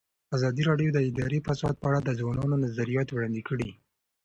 ازادي راډیو د اداري فساد په اړه د ځوانانو نظریات وړاندې کړي.